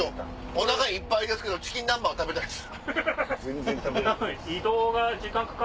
おなかいっぱいですけどチキン南蛮は食べたいです。